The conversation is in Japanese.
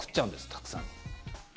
たくさん。